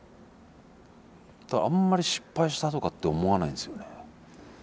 だからあまり失敗したとかって思わないんですよね。